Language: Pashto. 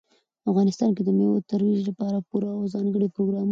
افغانستان د مېوو د ترویج لپاره پوره او ځانګړي پروګرامونه لري.